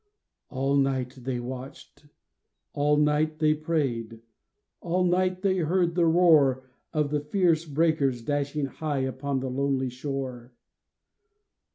" All night they watched, all night they prayed, All night they heard the roar Of the fierce breakers dashing high Upon the lonely shore.